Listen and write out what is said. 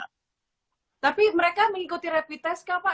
tapi mereka mengikuti rapid test kah pak